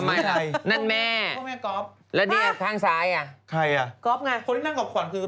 พ่อจริงเหรอเด็กอย่างนี้เลยเหรอ